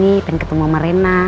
dia mau ketemu sama rena